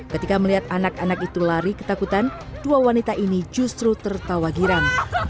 ketika melihat anak anak itu lari ketakutan dua wanita ini justru tertawa girang